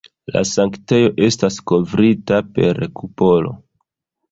La sanktejo estas kovrita per kupolo.